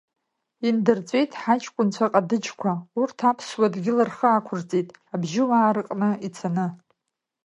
Индырҵәеит ҳаҷкәынцәа ҟадыџьқәа, урҭ аԥсуа дгьыл рхы ақәырҵеит, абжьыуаа рыҟны ицаны.